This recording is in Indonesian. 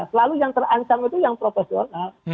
selalu yang terancam itu yang profesional